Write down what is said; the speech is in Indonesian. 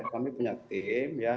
kami punya tim ya